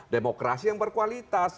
demokrasi yang berkualitas